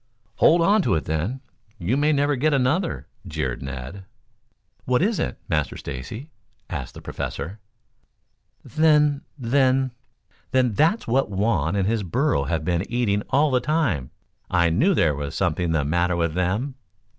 "Hold on to it, then. You may never get another," jeered Ned. "What is it, Master Stacy?" asked the Professor. "Then then then that's what Juan and his burro have been eating all the time. I knew there was something the matter with them."